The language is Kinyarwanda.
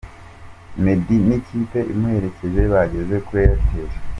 Meddy n'ikipe imuherekeza bageze kuri Airtel.